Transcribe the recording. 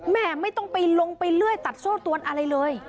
แม่ไม่ต้องไปลงไปเลื่อยตัดโซ่ตวนอะไรเลย